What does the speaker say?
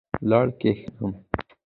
لوړ کښېنم.